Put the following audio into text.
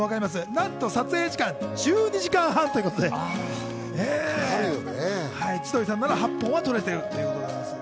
なんと撮影時間１２時間半ということで、千鳥さんなら８本を撮れてるということです。